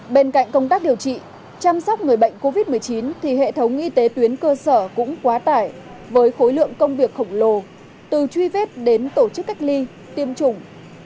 bên cạnh công tác điều trị chăm sóc người bệnh covid một mươi chín thì hệ thống y tế tuyến cơ sở cũng quá tải với khối lượng công việc khổng lồ từ truy vết đến tổ chức cách ly tiêm chủng